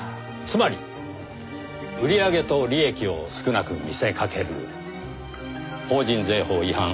つまり売り上げと利益を少なく見せかける法人税法違反。